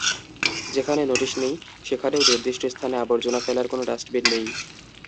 যেখানে নোটিশ নেই, সেখানেও নির্দিষ্ট স্থানে আবর্জনা ফেলার কোনো ডাস্টবিন নেই।